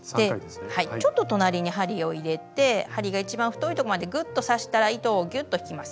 ちょっと隣に針を入れて針が一番太いとこまでぐっと刺したら糸をぎゅっと引きます。